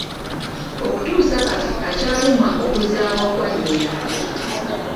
Okutuusa kati akyalumwa okuzaawa kwa nnyina.